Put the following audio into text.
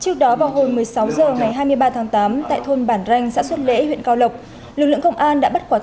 trước đó vào hồi một mươi sáu h ngày hai mươi ba tháng tám tại thôn bản ranh xã xuân lễ huyện cao lộc lực lượng công an đã bắt quả